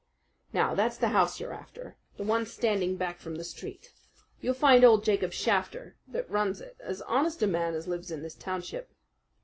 Now, that's the house you're after, that one standing back from the street. You'll find old Jacob Shafter that runs it as honest a man as lives in this township."